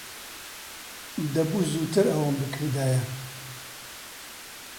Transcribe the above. دەبوو زووتر ئەوەم بکردایە.